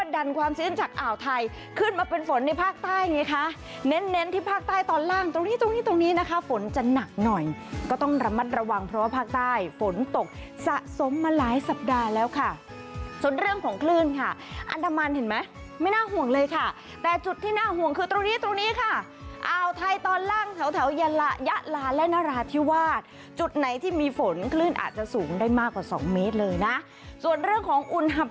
ดันความซื่นจากอ่าวไทยขึ้นมาเป็นฝนในภาคใต้อย่างนี้ค่ะเน้นที่ภาคใต้ตอนล่างตรงนี้ตรงนี้ตรงนี้นะคะฝนจะหนักหน่อยก็ต้องระมัดระวังเพราะว่าภาคใต้ฝนตกสะสมมาหลายสัปดาห์แล้วค่ะส่วนเรื่องของคลื่นค่ะอันดามันเห็นไหมไม่น่าห่วงเลยค่ะแต่จุดที่น่าห่วงคือตรงนี้ค่ะอ่าวไทยตอนล